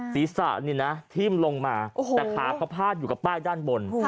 ศีรษะนี่นะทิ้มลงมาแต่ขาเขาพาดอยู่กับป้ายด้านบน